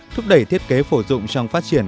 thúc đẩy thiết kế phổ dụng trong phát triển